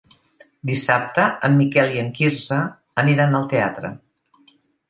Dissabte en Miquel i en Quirze aniran al teatre.